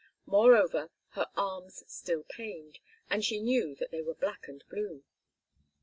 Moreover, her arms still pained, and she knew that they were black and blue.